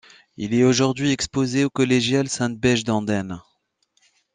Il est aujourd'hui exposé au Collégiale Sainte-Begge d'Andenne.